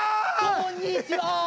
こんにちは！